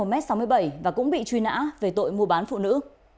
m sáu mươi bảy và cũng bị truy nã về tội mua bán phụ nữ